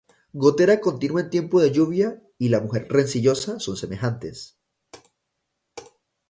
Gotera continua en tiempo de lluvia, Y la mujer rencillosa, son semejantes: